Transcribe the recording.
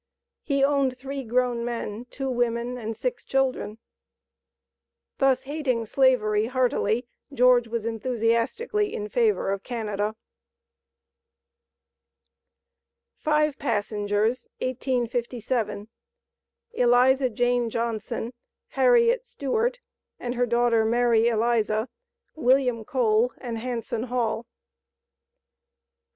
He owned three grown men, two women and six children. Thus hating Slavery heartily, George was enthusiastically in favor of Canada. FIVE PASSENGERS, 1857. ELIZA JANE JOHNSON, HARRIET STEWART, AND HER DAUGHTER MARY ELIZA, WILLIAM COLE, AND HANSON HALL.